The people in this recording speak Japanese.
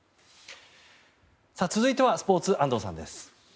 続いてはスポーツ安藤さんです。